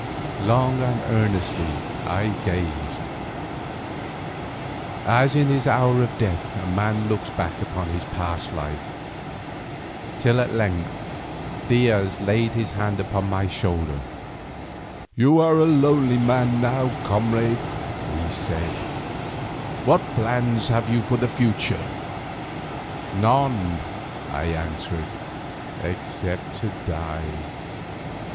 Long and earnestly I gazed, as in his hour of death a man looks back upon his past life, till at length Diaz laid his hand upon my shoulder: "You are a lonely man now, comrade," he said; "what plans have you for the future?" "None," I answered, "except to die."